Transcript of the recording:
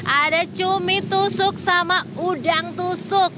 ada cumi tusuk sama udang tusuk